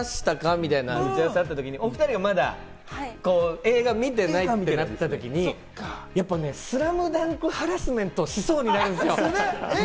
みたいな打ち合わせがあった時、お２人はまだ映画を見てないってなった時にやっぱね『ＳＬＡＭＤＵＮＫ』ハラスメントしそうになるんですよ。